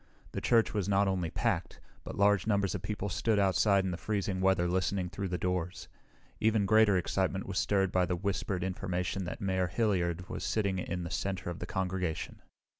The church was not only packed, but large numbers of people stood outside in the freezing weather listening through the doors. Even greater excitement was stirred by the whispered information that Mayor Hilliard was sitting in the center of the congregation.